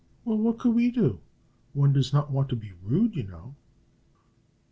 "Well, what could we do? One does not want to be rude, you know."